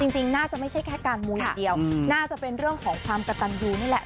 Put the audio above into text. จริงน่าจะไม่ใช่แค่การมูอย่างเดียวน่าจะเป็นเรื่องของความกระตันยูนี่แหละ